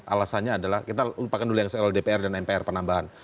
alasannya adalah kita lupakan dulu yang soal dpr dan mpr penambahan